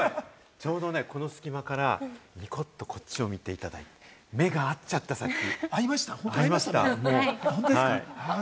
ちょうどこの隙間から、ニコっとこっちを見ていただいて、目が合っちゃった、さっき。